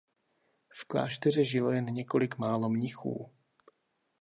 V klášteře žilo jen několik málo mnichů.